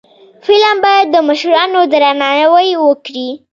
فلم باید د مشرانو درناوی وکړي